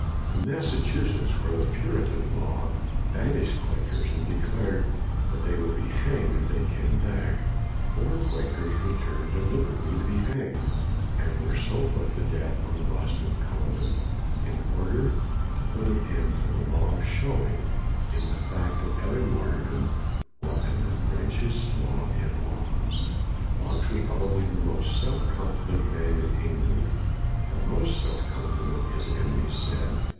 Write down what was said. In Massachusetts, where the Puritan law banished Quakers and de 294 FOX clared that they would be hanged if they came back, four Quakers returned delib erately to be hanged, and were so put to death on Boston Common, in order to put an end to the law by showing, in the fact of their martyrdom, what an unrighteous law it was. Fox was probably the most self confi dent man in England; the most self con ceited, his enemies said.